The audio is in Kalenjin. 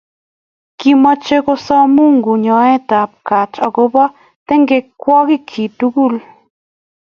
Kimochei kosom Mungu nyoetab gat agobo tengekwokikchi tugul